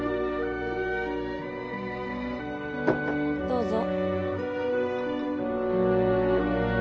どうぞ。